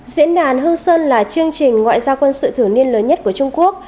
diễn đàn hương sơn là chương trình ngoại giao quân sự thử niên lớn nhất của trung quốc